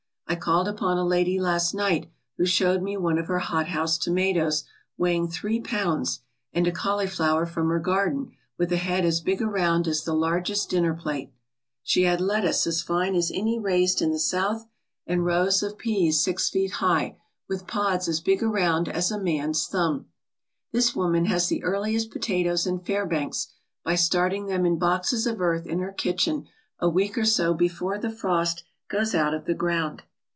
I called upon a lady last night who showed me one of her hothouse toma toes weighing three pounds, and a cauliflower from her gar den with a head as big around as the largest dinner plate. She had lettuce as fine as any raised in the South and rows 142 FAIRBANKS, THE CHICAGO OF ALASKA of peas six feet high, with pods as big around as a man's thumb. This woman has the earliest potatoes in Fair banks by starting them in boxes of earth in her kitchen a week or so before the frost goes out of the ground.